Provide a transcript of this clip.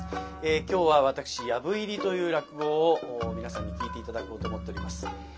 今日は私「藪入り」という落語を皆さんに聴いて頂こうと思っております。